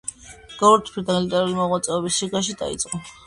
გოტფრიდმა ლიტერატურული მოღვაწეობაც რიგაში დაიწყო.